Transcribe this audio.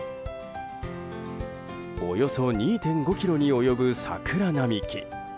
およそ２．５ｋｍに及ぶ桜並木。